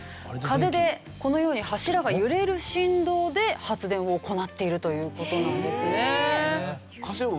風でこのように柱が揺れる振動で発電を行っているという事なんですね。